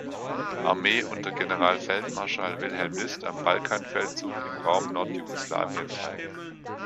Armee unter Generalfeldmarschall Wilhelm List am Balkanfeldzug im Raum Nord-Jugoslawien teil.